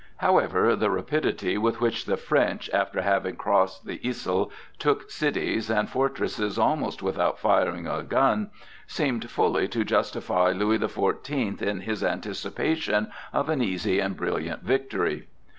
However, the rapidity with which the French, after having crossed the Yssel, took cities and fortresses almost without firing a gun, seemed fully to justify Louis the Fourteenth in his anticipation of an easy and brilliant victory.